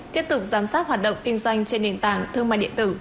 tiếp tục giám sát hoạt động kinh doanh trên nền tảng thương mại điện tử